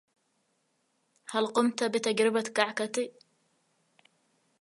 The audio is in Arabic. هل قمت بتجربة كعكتي؟